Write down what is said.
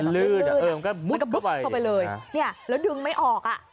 มันลื่นมันก็มุดเข้าไปเลยแล้วดึงไม่ออก